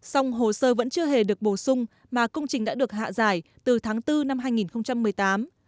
xong hồ sơ vẫn chưa hề được bổ sung mà công trình đã được hạ giải từ tháng bốn năm hai nghìn một mươi tám